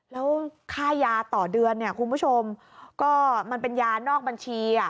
แล้วค่ายาต่อเดือนเนี่ยคุณผู้ชมก็มันเป็นยานอกบัญชี